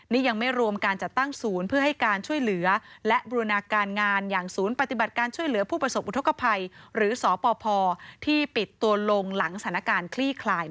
นี่ยังไม่รวมการจัดตั้งศูนย์เพื่อให้การช่วยเหลือและบูรณาการงานอย่างศูนย์ปฏิบัติการช่วยเหลือผู้ประสบอุทธกภัยหรือสปพที่ปิดตัวลงหลังสถานการณ์คลี่คลาย